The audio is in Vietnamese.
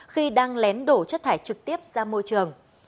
khi đang lén đổ chất thải trực tiếp ra môi trường